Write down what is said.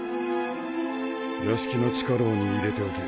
屋敷の地下牢に入れておけ。